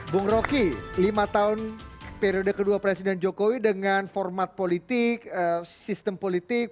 bung rocky lima tahun periode kedua presiden jokowi dengan format politik sistem politik